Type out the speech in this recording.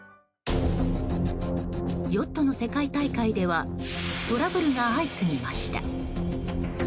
ヨットの世界大会ではトラブルが相次ぎました。